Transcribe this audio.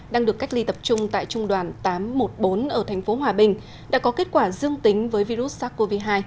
đang được cách ly tập trung tại trung đoàn tám trăm một mươi bốn ở thành phố hòa bình đã có kết quả dương tính với virus sars cov hai